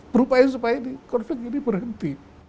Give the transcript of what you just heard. berupaya supaya konflik ini berhenti